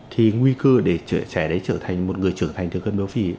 thì nguy cơ để trẻ đấy trở thành một người trưởng thành thừa cân béo phì